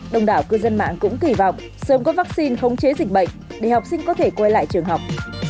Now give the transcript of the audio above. đồng đảo cư dân mạng cũng kỳ vọng sớm có vaccine khống chế dịch bệnh để học sinh có thể quay lại trường học